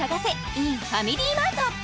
ｉｎファミリーマート